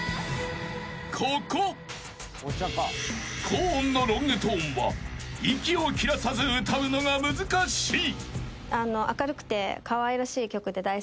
［高音のロングトーンは息を切らさず歌うのが難しい］